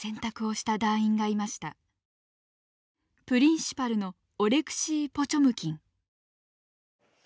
プリンシパルのオレクシー・ポチョムキン。